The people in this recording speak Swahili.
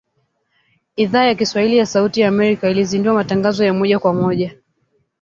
Idhaa ya Kiswahili ya Sauti ya Amerika ilizindua matangazo ya moja kwa moja